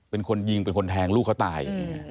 เป็นคนยิงเป็นคนแทงลูกเขาตาย